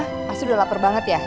masa udah lapar banget ya